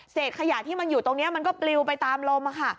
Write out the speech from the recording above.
ขยะที่มันอยู่ตรงนี้มันก็ปลิวไปตามลมค่ะ